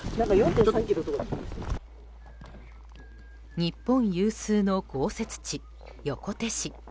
日本有数の豪雪地、横手市。